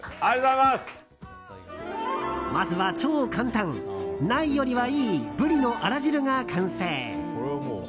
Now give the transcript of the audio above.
まずは超簡単、ないよりはいいブリのあら汁が完成。